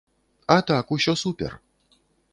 А так, усё супер.